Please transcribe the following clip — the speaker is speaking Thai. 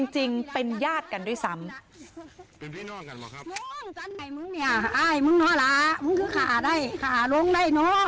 จริงเป็นญาติกันด้วยซ้ำ